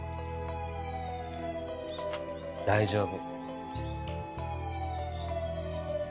大丈夫。